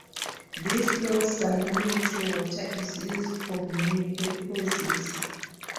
This low salinity water is used for many purposes.